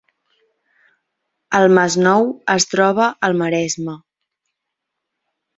El Masnou es troba al Maresme